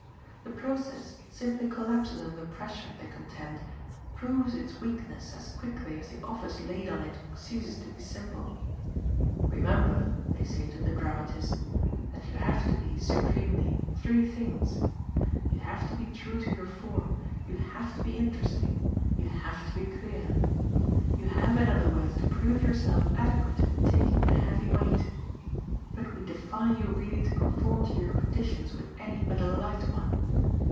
The process simply collapses under pressure, they contend, proves its weakness as quickly as the office laid on it ceases to be simple. "Remember," they say to the dramatist, "that you have to be, supremely, three things: you have to be true to your form, you have to be interesting, you have to be clear. You have in other words to prove yourself adequate to taking a heavy weight. But we defy you really to conform to your conditions with any but a light one.